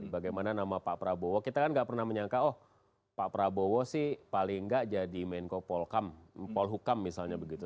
bagaimana nama pak prabowo kita kan gak pernah menyangka oh pak prabowo sih paling nggak jadi menko polkam polhukam misalnya begitu